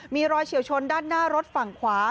มีรอยเฉียวชนด้านหน้ารถฝั่งขวา